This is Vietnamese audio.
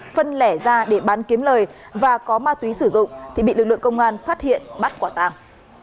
phân lẻ ra để bán kiếm lời và có ma túy sử dụng thì bị lực lượng công an phát hiện bắt quả tàng